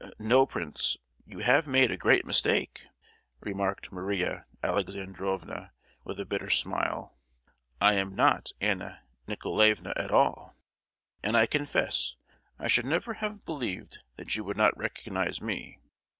"No, prince, you have made a great mistake," remarked Maria Alexandrovna, with a bitter smile. "I am not Anna Nicolaevna at all, and I confess I should never have believed that you would not recognise me.